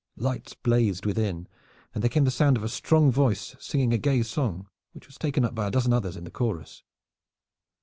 Lights blazed within, and there came the sound of a strong voice singing a gay song which was taken up by a dozen others in the chorus.